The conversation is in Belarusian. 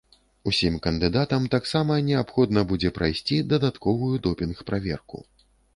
Усім кандыдатам таксама неабходна будзе прайсці дадатковую допінг-праверку.